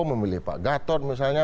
memilih pak gatot misalnya